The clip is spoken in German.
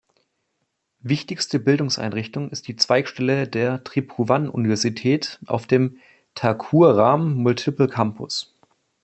Wichtigste Bildungseinrichtung ist die Zweigstelle der "Tribhuvan-Universität" auf dem "Thakur Ram Multiple Campus".